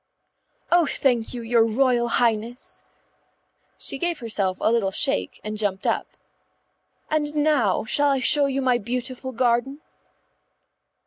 "Oh, thank you, your Royal Highness." She gave herself a little shake and jumped up. "And now shall I show you my beautiful garden?"